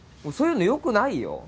そういうのよくないよ